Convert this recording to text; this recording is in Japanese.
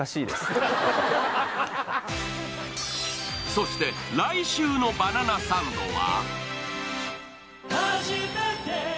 そして来週の「バナナサンド」は？